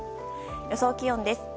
予想気温です。